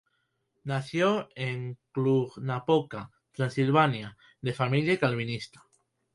Nació en Cluj-Napoca, Transilvania, de familia calvinista.